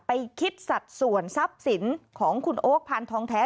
คิดสัดส่วนทรัพย์สินของคุณโอ๊คพานทองแท้